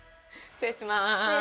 失礼します。